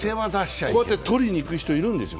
こうやってとりに行く人がいくんですよ。